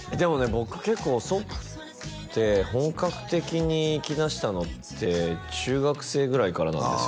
僕結構遅くて本格的に行きだしたのって中学生ぐらいからなんですよ